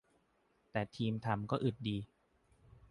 แต่ทีมทำก็อึดดี